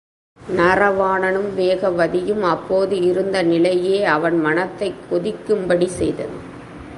நரவாணனும் வேகவதியும் அப்போது இருந்த நிலையே அவன் மனத்தைக் கொதிக்கும் படி செய்தது.